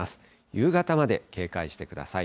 夕方まで警戒してください。